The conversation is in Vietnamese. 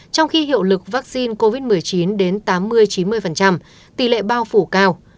trong khi hiệu lực vaccine covid một mươi chín đến tám mươi chín mươi tỷ lệ bao phủ cao